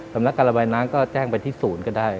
สำนักการระบายน้ำก็แจ้งไปที่ศูนย์ก็ได้